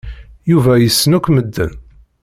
Yuba yessen akk medden.